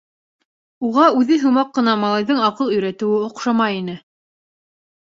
Уға үҙе һымаҡ ҡына малайҙың аҡыл өйрәтеүе оҡшамай ине!